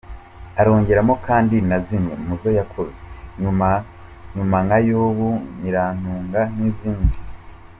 Arongeramo kandi na zimwe mu zo yakoze nyuma, nka Yobu, Nyiratunga, n’izindi.